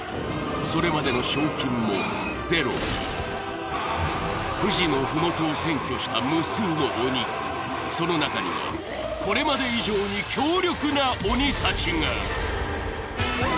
それまでの賞金もゼロに富士のふもとを占拠した無数の鬼その中にはこれまで以上に強力な鬼たちが！